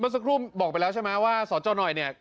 เมื่อสักครู่บอกไปแล้วใช่ไหมว่าสจนเนี่ย